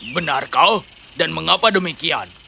benar kau dan mengapa demikian